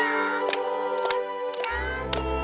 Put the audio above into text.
yang di ucapkan